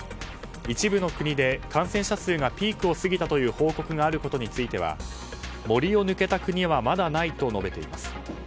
一部の国で感染者数がピークを過ぎたという報告があることについては森を抜けた国はまだないと述べています。